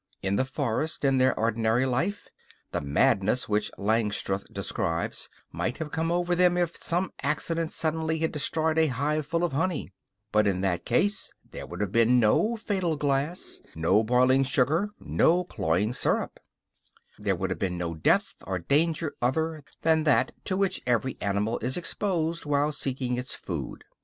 In the forest, in their ordinary life, the madness which Langstroth describes might have come over them if some accident suddenly had destroyed a hive full of honey; but in that case there would have been no fatal glass, no boiling sugar or cloying sirup; there would have been no death or danger other than that to which every animal is exposed while seeking its food.